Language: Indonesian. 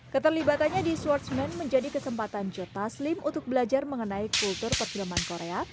keterlibatannya di swartsman menjadi kesempatan joe taslim untuk belajar mengenai kultur perfilman korea